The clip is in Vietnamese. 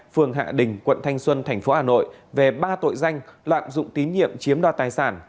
phường hạ đình quận thanh xuân tp hà nội về ba tội danh loạn dụng tín nhiệm chiếm đo tài sản